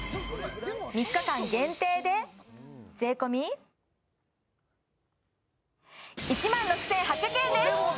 ３日間限定で税込１万６８００円です！